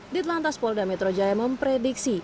ditlantas polda metro jaya memprediksi